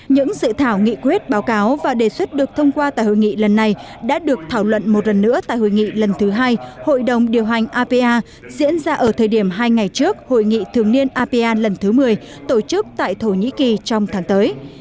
những dự thảo nghị quyết báo cáo và đề xuất được thông qua tại hội nghị lần này đã được thảo luận một lần nữa tại hội nghị lần thứ hai hội đồng điều hành apa diễn ra ở thời điểm hai ngày trước hội nghị thường niên apa lần thứ một mươi tổ chức tại thổ nhĩ kỳ trong tháng tới